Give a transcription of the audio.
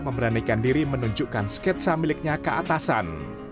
memberanikan diri menunjukkan sketsa miliknya keatasan